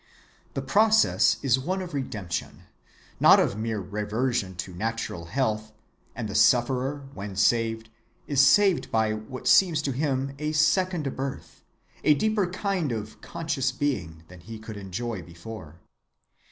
The process is one of redemption, not of mere reversion to natural health, and the sufferer, when saved, is saved by what seems to him a second birth, a deeper kind of conscious being than he could enjoy before.